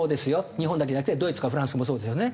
日本だけじゃなくてドイツかフランスもそうですよね。